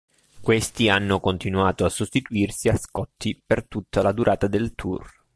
Questi hanno continuato a sostituirsi a "Scotty" per tutta la durata del tour.